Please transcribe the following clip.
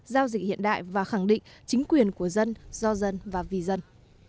giao dịch hiện đại và khẳng định chính quyền của dân do dân và vì dân